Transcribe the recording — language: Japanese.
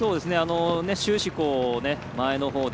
終始、前のほうで。